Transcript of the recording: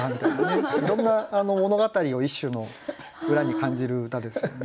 いろんな物語を一首の裏に感じる歌ですよね。